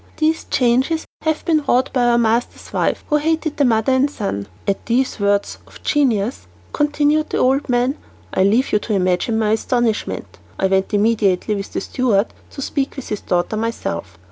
These changes have been wrought by our master's wife, who hated the mother and son." "At these words, of Genius," continued the old man, "I leave you to imagine my astonishment. I went immediately with the steward to speak with his daughter myself.